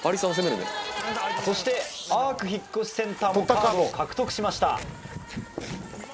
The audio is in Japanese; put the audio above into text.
そしてアーク引越センターもカードを獲得しました。